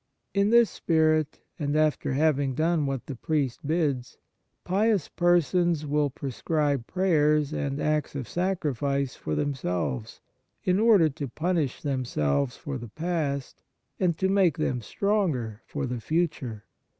In this spirit, and after having done what the priest bids, pious persons will prescribe prayers and acts of sacrifice for themselves, in order to punish themselves for the past, and to make them stronger for the future.